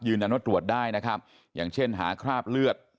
ว่าตรวจได้นะครับอย่างเช่นหาคราบเลือด